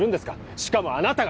しかもあなたが！